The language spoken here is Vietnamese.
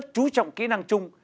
rất chú trọng kỹ năng chung